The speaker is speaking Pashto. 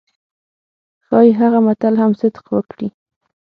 ښايي هغه متل هم صدق وکړي.